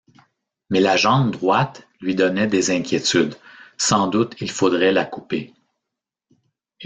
Mais la jambe droite lui donnait des inquiétudes: sans doute il faudrait la couper.